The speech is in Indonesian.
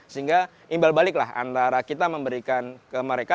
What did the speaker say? sehingga imbal baliklah antara kita memberikan ke mereka